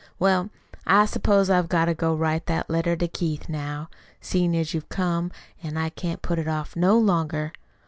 Well, I s'pose I've got to go write that letter to Keith now. Seein' as how you've come I can't put it off no longer.